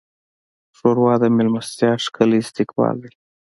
ښوروا د میلمستیا ښکلی استقبال دی.